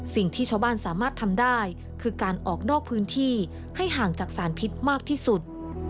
สิ่งที่ชาวบ้านสามารถทำได้คือการออกนอกพื้นที่ให้ห่างจากสารพิษมากที่สุด